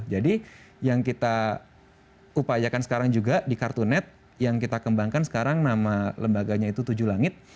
jadi yang kita upayakan sekarang juga di kartunet yang kita kembangkan sekarang nama lembaganya itu tujuh langit